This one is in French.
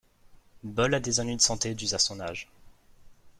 Boll a des ennuis de santé dus à son âge.